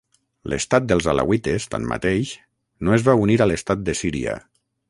L'Estat dels Alauites, tanmateix, no es va unir a l'Estat de Síria.